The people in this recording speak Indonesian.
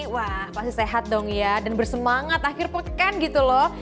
wah pasti sehat dong ya dan bersemangat akhir pekan gitu loh